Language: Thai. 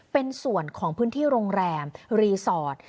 เป็นส่วนของพื้นที่โรงแรมรีสอร์ท